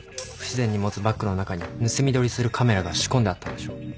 不自然に持つバッグの中に盗み撮りするカメラが仕込んであったんでしょう。